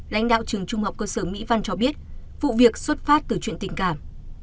lãnh đạo trường trung học cơ sở mỹ văn cho biết vụ việc xuất phát từ chuyện tình cảm